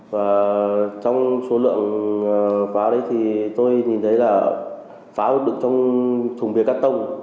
và trong số lượng pháo đấy thì tôi nhìn thấy là pháo được trong thùng bia cắt tông